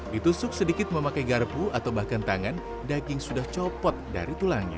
ditusuk sedikit memakai garpu atau bahkan tangan daging sudah copot dari tulangnya